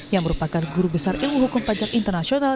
yang merupakan guru besar ilmu hukum pajak internasional